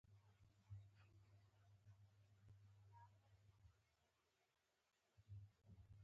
د قیامت په نښانه یې پرېکنده دروغ ځړولي وو.